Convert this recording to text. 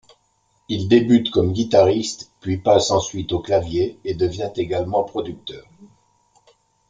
Il débute comme guitariste, puis passe ensuite aux claviers et devient également producteur.